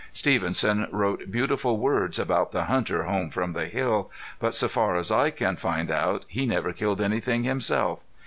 Stevenson wrote beautiful words about "the hunter home from the hill," but so far as I can find out he never killed anything himself.